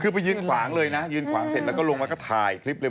คือไปยืนขวางเลยนะยืนขวางเสร็จแล้วก็ลงมาก็ถ่ายคลิปเลย